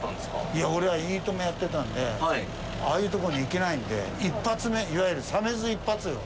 いや俺は『いいとも！』やってたんでああいうとこに行けないんで一発目いわゆる鮫洲一発よ。